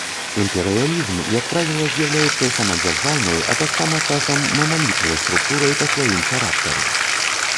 Імперыялізм, як правіла, з'яўляецца самадзяржаўнай, а таксама часам маналітнай структурай па сваім характары.